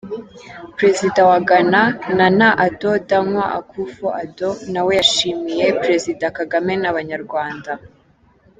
Perezida wa Ghana, Nana Addo Dankwa Akufo-Addo, nawe yashimiye Perezida Kagame n’Abanyarwanda.